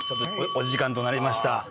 お時間となりました。